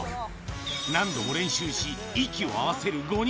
何度も練習し、息を合わせる５人。